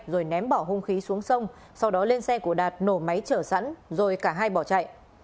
rồi ném bỏ hung khí xuống sông sau đó lên xe của đạt nổ máy chở sẵn rồi cả hai bỏ chạy